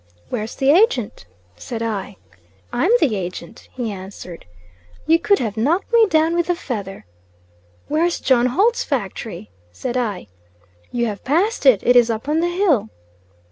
"Where's the Agent?" said I. "I'm the Agent," he answered. You could have knocked me down with a feather. "Where's John Holt's factory?" said I. "You have passed it; it is up on the hill."